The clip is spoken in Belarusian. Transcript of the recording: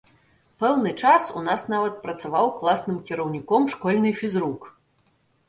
Пэўны час у нас нават працаваў класным кіраўніком школьны фізрук.